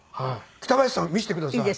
北林さん見せてください。